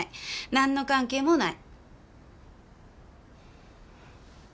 なんの関係もない。